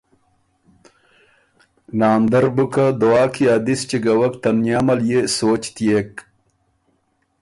ناندر بُو که دعا کی ا دِس چګوک تنیامه ليې سوچ تيېک